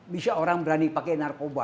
bisa orang berani pakai narkoba